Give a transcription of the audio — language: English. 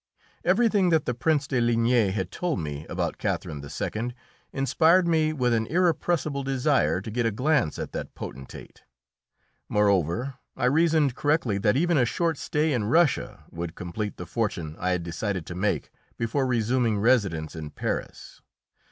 Everything that the Prince de Ligne had told me about Catherine II. inspired me with an irrepressible desire to get a glance at that potentate. Moreover I reasoned correctly that even a short stay in Russia would complete the fortune I had decided to make before resuming residence in Paris.